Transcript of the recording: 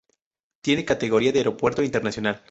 Tiene categoría de aeropuerto internacional.